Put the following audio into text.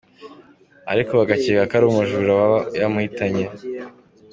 Ariko bagakeka ko ari umujura waba yamuhitanye.